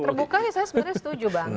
terbuka sih saya sebenarnya setuju bang